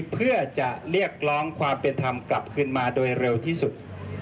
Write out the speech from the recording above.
เพื่อจะเรียกร้องความเป็นธรรมกลับขึ้นมาโดยเร็วที่สุด